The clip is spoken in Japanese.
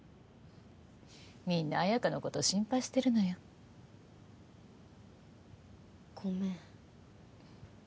みんな綾華のこと心配してるのよごめん